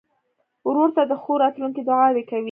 ورور ته د ښو راتلونکو دعاوې کوې.